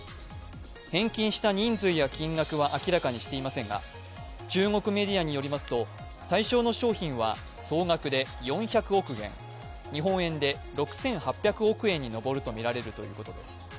返金した人数や金額は明らかにしていませんが、中国メディアによりますと、対象の商品は総額で４００億円、総額４００億円、日本円で６８００億円に上るとみられるということです。